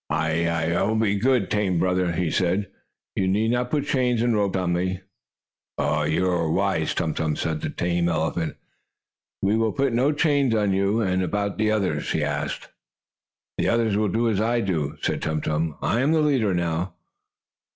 "I I will be good, tame brother," he said. "You need not put the chains and ropes on me." "You are wise, Tum Tum," said the tame elephant. "We will put no chains on you. And about the others?" he asked. "The others will do as I do," said Tum Tum. "I am the leader now."